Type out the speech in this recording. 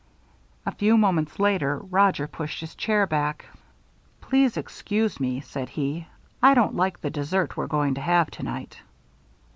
A few moments later, Roger pushed his chair back. "Please excuse me," said he. "I don't like the dessert we're going to have tonight."